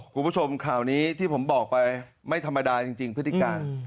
คุณผู้ชมข่าวนี้ที่ผมบอกไปไม่ธรรมดาจริงพฤติการ